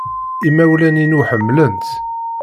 Imawlan-inu ḥemmlen-tt.